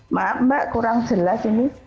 maaf mbak kurang jelas ini